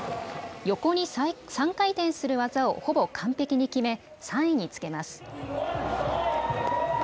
横に３回転する技をほぼ完璧に決め３位につけます。